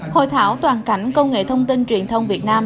hội thảo toàn cảnh công nghệ thông tin truyền thông việt nam